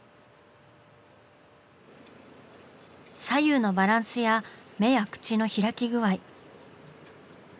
左右のバランスや目や口の開き具合。